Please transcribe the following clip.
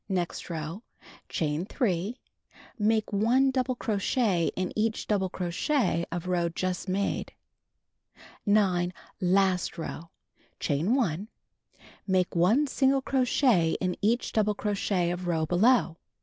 Next row: Chain 3. Make 1 double crochet in each double crochet of row just made. 9. Last row: Chain 1. Make 1 single crochet in each double crochet of row below.